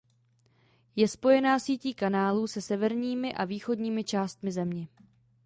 Je spojená sítí kanálů se severními a východními částmi země.